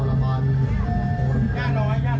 ก็เลี้ยงใจกับคุณมีรัฐการดูนะครับ